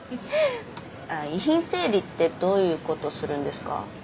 遺品整理ってどういう事するんですか？